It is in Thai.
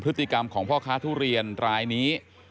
พฤติกรรมของพ่อค้าทุเรียนรายนี้